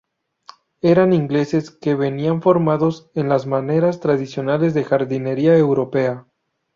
Eran ingleses que venían formados en las maneras tradicionales de jardinería europea.